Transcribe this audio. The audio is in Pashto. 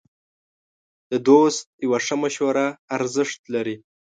د دوست یوه ښه مشوره ارزښت لري.